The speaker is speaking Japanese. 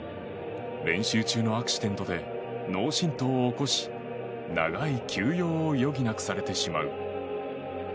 練習中のアクシデントで脳震とうを起こし長い休養を余儀なくされてしまう。